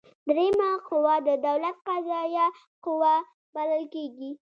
دریمه قوه د دولت قضاییه قوه بلل کیږي.